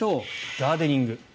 ガーデニング。